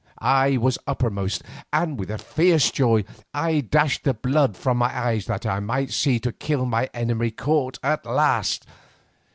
I was uppermost, and with a fierce joy I dashed the blood from my eyes that I might see to kill my enemy caught at last.